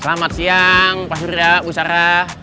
selamat siang pak sura bu sarah